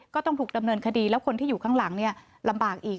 ก็ต้องถูกดำเนินคดีแล้วคนที่อยู่ข้างหลังลำบากอีก